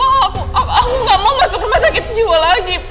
aku gak mau masuk rumah sakit jiwa lagi